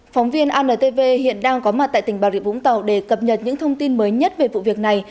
phóng viên antv hiện đang có mặt tại tỉnh bà rịa vũng tàu để cập nhật những thông tin mới nhất về vụ việc này